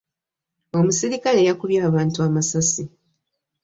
Omusirikale yakumbye abantu amasasi.